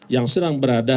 yang serang berada